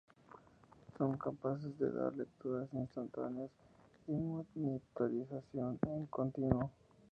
Son capaces de dar lecturas instantáneas y monitorización en continuo.